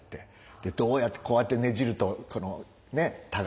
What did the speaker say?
でどうやってこうやってねじると箍に見えるとか。